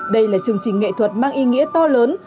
đây là chương trình nghệ thuật mang ý nghĩa to lớn